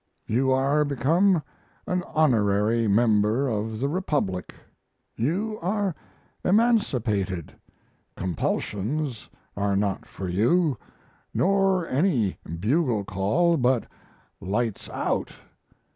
You are become an honorary member of the republic, you are emancipated, compulsions are not for you, nor any bugle call but "lights out."